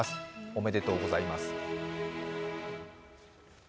おめでとうございます。